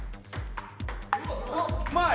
うまい！